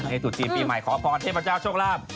ตุจีนปีใหม่ขอพรเทพเจ้าโชคลาภ